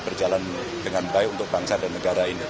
berjalan dengan baik untuk bangsa dan negara ini